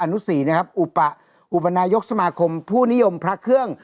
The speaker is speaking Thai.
นุศรีนะครับอุปะอุปนายกสมาคมผู้นิยมพระเครื่อง